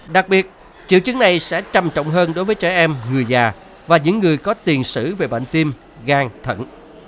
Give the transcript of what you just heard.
đặc biệt triệu chứng này sẽ trầm trọng hơn đối với trẻ em người già và những người có tiền sử về bệnh tim gan thận